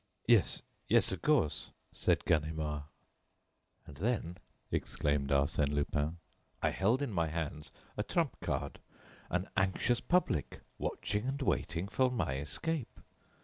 "Yes, yes, of course," said Ganimard. "And then," exclaimed Arsène Lupin, "I held in my hands a trump card: an anxious public watching and waiting for my escape.